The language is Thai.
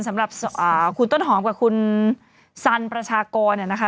สำหรับคุณต้นหอมกับคุณสันประชากรเนี่ยนะคะ